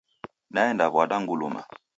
Naenda w'ada nguluma